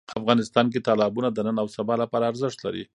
افغانستان کې تالابونه د نن او سبا لپاره ارزښت لري.